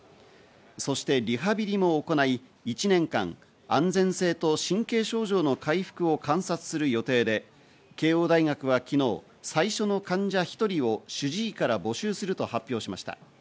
そしてリハビリも行い、１年間、安全性と神経症状の回復を観察する予定で、慶應大学は昨日、最初の患者１人を主治医から募集すると発表しました。